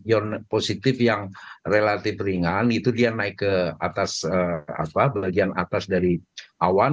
ion positif yang relatif ringan itu dia naik ke atas bagian atas dari awan